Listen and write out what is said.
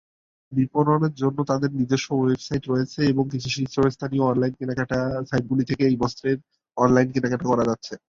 বিপণনের জন্য তাদের নিজস্ব ওয়েবসাইট রয়েছে এবং কিছু শীর্ষস্থানীয় অনলাইন কেনাকাটা সাইটগুলি থেকে এই বস্ত্রের জন্য অনলাইন কেনাকাটা করা যাচ্ছে।